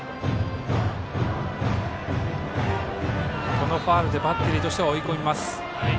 このファウルでバッテリーとしては追い込みます。